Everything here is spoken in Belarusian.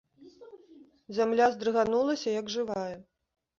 Зямля здрыганулася, як жывая.